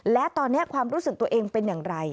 และตอนนี้ความรู้สึกตัวเองเป็นอย่างไร